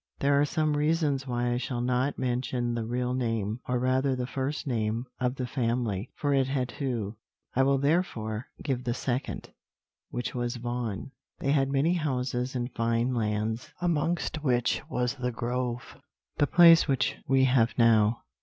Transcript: "There are some reasons why I shall not mention the real name, or rather the first name of the family, for it had two; I will therefore give the second, which was Vaughan. They had many houses and fine lands, amongst which was The Grove, the place which we have now.